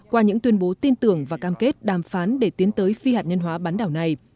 qua những tuyên bố tin tưởng và cam kết đàm phán để tiến tới phi hạt nhân hóa bán đảo này